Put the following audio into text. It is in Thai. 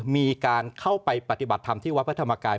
มีการเข้าไปปฏิบัติธรรมที่วัดพระธรรมกาย